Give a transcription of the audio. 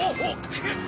くっ！